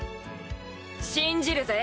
信じるぜ。